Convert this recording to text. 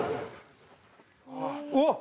うわっ！